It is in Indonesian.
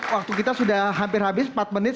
waktu kita sudah hampir habis empat menit